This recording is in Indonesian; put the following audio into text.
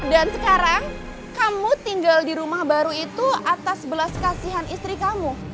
dan sekarang kamu tinggal di rumah baru itu atas belas kasihan istri kamu